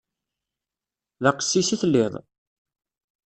D aqessis i telliḍ?